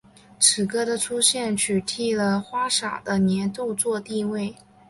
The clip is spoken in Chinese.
此歌的出现取替了花洒的年度作地位。